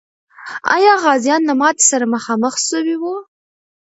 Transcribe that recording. آیا غازیان له ماتي سره مخامخ سوي و؟